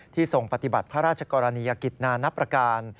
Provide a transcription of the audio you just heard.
ทรงปฏิบัติพระราชกรณียกิจนานับประการ